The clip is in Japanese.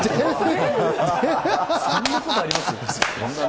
そんなことあります？